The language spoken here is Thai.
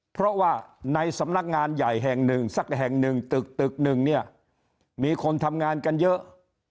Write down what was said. เพราะว่าในสำนักงานใหญ่แห่งหนึ่งสักแห่งหนึ่งตึกตึกหนึ่งเนี่ยมีคนทำงานกันเยอะ